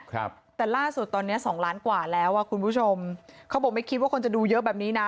ครับแต่ล่าสุดตอนเนี้ยสองล้านกว่าแล้วอ่ะคุณผู้ชมเขาบอกไม่คิดว่าคนจะดูเยอะแบบนี้นะ